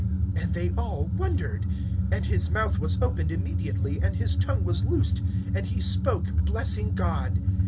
And they all wondered. (64)And his mouth was opened immediately, and his tongue was loosed; and he spoke, blessing God.